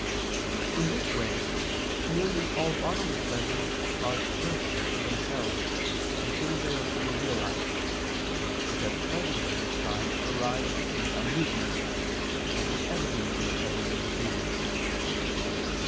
In this way nearly all bodily pleasures cause thirst for themselves, until they are fully realized, because pleasures of this kind arise from some movement: as is evident in pleasures of the table.